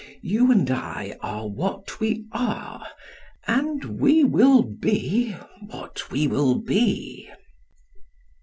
You and I are what we are, and we will be what we will be."